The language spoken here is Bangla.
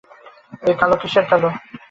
এ কালো কিসের কালো?